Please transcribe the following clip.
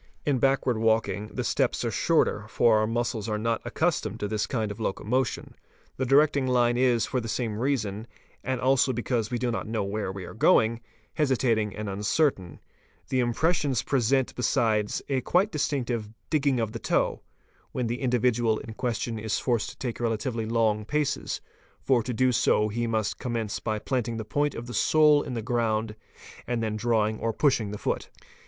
In backward walking, the steps are. shorter, for our muscles are not accustomed to this kind of locomotion; the directing line is, for the same reason, and also because we do not know where we are going, hesitating and uncertain; the impressions present besides a quite distinctive digging of the toe, when the individual in question is forced to take relatively long paces, for to do so he must commence by | planting the point of the sole in the ground and then drawing or pushing Ft the foot.